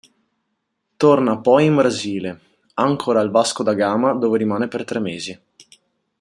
Torna poi in Brasile, ancora al Vasco da Gama, dove rimane per tre mesi.